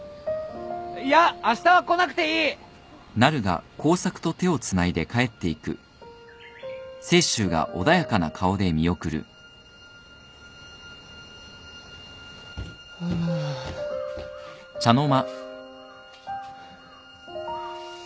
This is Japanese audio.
いやあしたは来なくていい！ハァ。